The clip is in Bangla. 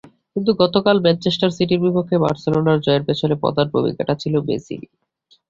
কিন্তু গতকাল ম্যানচেস্টার সিটির বিপক্ষে বার্সেলোনার জয়ের পেছনে প্রধান ভূমিকাটা ছিল মেসিরই।